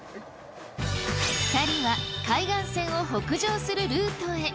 ２人は海岸線を北上するルートへ。